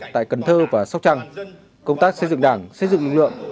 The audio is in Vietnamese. tại cần thơ và sóc trăng công tác xây dựng đảng xây dựng lực lượng